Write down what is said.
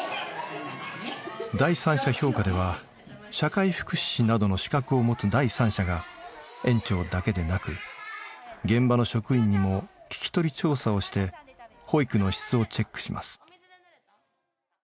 第三者評価では社会福祉士などの資格を持つ第三者が園長だけでなく現場の職員にも聞き取り調査をして保育の質をチェックします。